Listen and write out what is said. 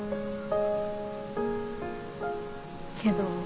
けど。